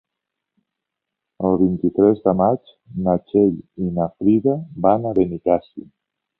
El vint-i-tres de maig na Txell i na Frida van a Benicàssim.